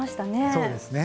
そうですね。